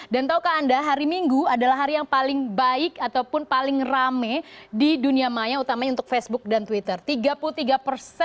dan taukah anda hari minggu adalah hari yang paling baik ataupun paling rame di dunia maya utamanya untuk facebook dan twitter